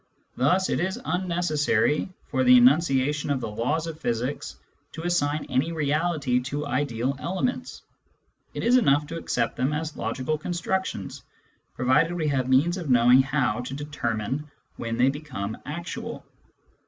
Thus it is unnecessary, for the enunciation of the laws of physics, to assign any reality to ideal elements : it is enough to accept them as logical constructions, provided we have means of knowing how to determine when they become actual.